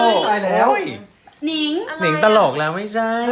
นิ้งนิ้งตลกแล้วไม่ใช่